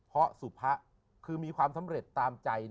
เพราะสุพะคือมีความสำเร็จตามใจ